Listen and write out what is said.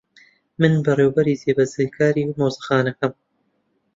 من بەڕێوەبەری جێبەجێکاری مۆزەخانەکەم.